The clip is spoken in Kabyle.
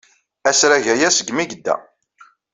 Asrag aya segmi ay yedda.